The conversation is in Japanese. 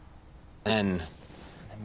ええ。